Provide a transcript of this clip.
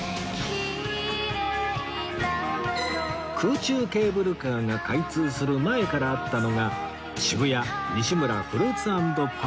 空中ケーブルカーが開通する前からあったのが渋谷西村フルーツ＆パーラー